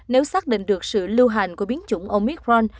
nếu xác định được sự lưu hành của biến chủng omicron